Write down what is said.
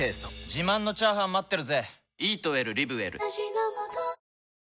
自慢のチャーハン待ってるぜ！